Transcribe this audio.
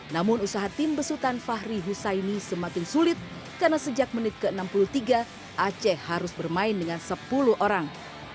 namun usaha tim besutan fahri husaini semakin sulit karena sejak menit ke enam puluh tiga aceh harus bermain dengan sepuluh orang